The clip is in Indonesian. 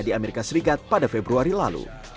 di amerika serikat pada februari lalu